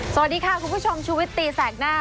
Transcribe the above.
สวัสดีค่ะคุณผู้ชมชูวิตตีแสกหน้า